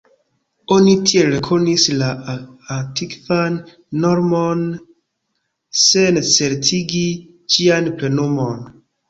Oni tiel rekonis la antikvan normon, sen certigi ĝian plenumon.